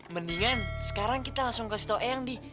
mendingan sekarang kita langsung kasih tau eang di